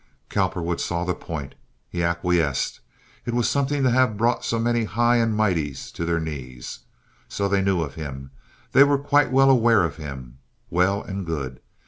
Cowperwood saw the point. He acquiesced. It was something to have brought so many high and mighties to their knees. So they knew of him! They were quite well aware of him! Well and good.